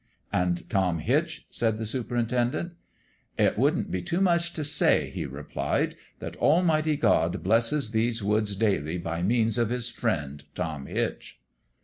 "And Tom Hitch ?" said the superintendent " It wouldn't be too much t' say," he replied, " that Almighty God blesses these woods daily by means of His friend Tom Hitch."